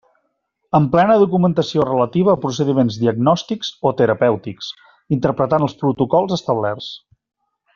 Emplena documentació relativa a procediments diagnòstics o terapèutics, interpretant els protocols establerts.